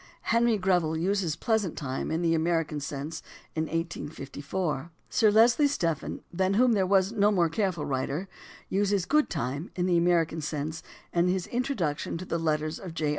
Henry Greville uses "pleasant time" in the American sense in 1854 (vol. I, series I, p. 181). Sir Leslie Stephen, than whom there was no more careful writer, uses "good time" in the American sense in his introduction to the letters of J.